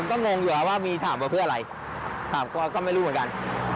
ก็งงอยู่ครับว่ามีถามว่าเพื่ออะไรถามก็ไม่รู้เหมือนกัน